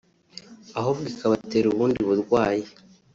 ahubwo ikabatera ubundi burwayi”